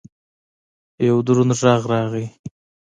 یو دروند غږ راغی!